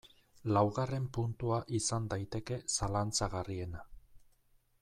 Laugarren puntua izan daiteke zalantzagarriena.